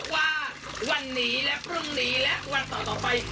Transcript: ว่าวันนี้และพรุ่งนี้และวันเสาร์ต่อไป